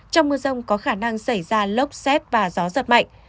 trong mưa rông có khả năng xảy ra lốc xét và gió giật mạnh